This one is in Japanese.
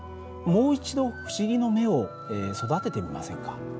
もう一度不思議の目を育ててみませんか？